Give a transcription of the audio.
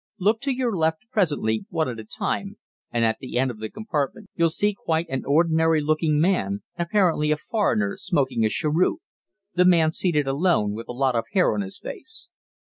Look to your left presently, one at a time, and at the end of the compartment you'll see quite an ordinary looking man, apparently a foreigner, smoking a cheroot the man seated alone, with a lot of hair on his face."